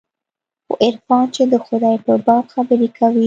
خو عرفان چې د خداى په باب خبرې کوي.